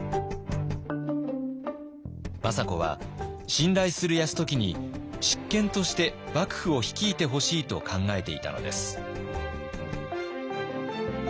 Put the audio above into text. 政子は信頼する泰時に執権として幕府を率いてほしいと考えていたのです。